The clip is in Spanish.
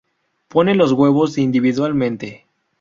Pone los huevos individualmente.